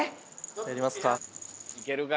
やりますか。